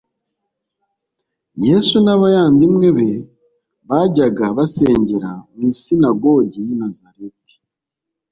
Yesu n'abayandimwe be bajyaga basengera mu isinagogi y'i Nazareti.